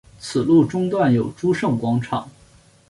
此路中段有诸圣广场。